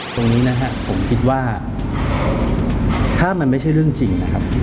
ตรงนี้นะฮะผมคิดว่าถ้ามันไม่ใช่เรื่องจริงนะครับ